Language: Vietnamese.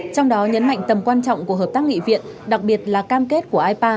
trong đó nhấn mạnh tầm quan trọng của hợp tác nghị viện đặc biệt là cam kết của ipa